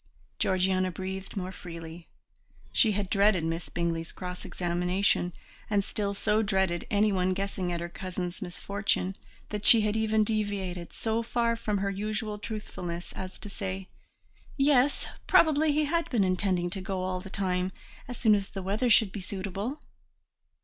Georgiana breathed more freely; she had dreaded Miss Bingley's cross examination, and still so dreaded anyone guessing at her cousin's misfortune that she even deviated so far from her usual truthfulness as to say, "Yes, probably he had been intending to go all the time, as soon as the weather should be suitable."